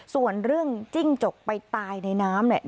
ส่วนเรื่องจิ้งจกไปตายในน้ำเนี่ย